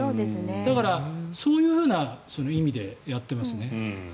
だから、そういうふうな意味でやってますね。